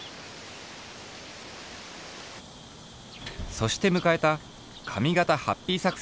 そしてむかえた「髪型ハッピー作戦」